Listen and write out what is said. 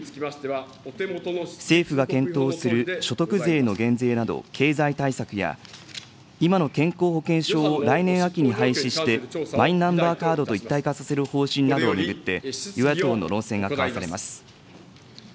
政府が検討する所得税の減税など、経済対策や、今の健康保険証を来年秋に廃止して、マイナンバーカードと一体化させる方針などを巡って、与野党の論戦が交わされます。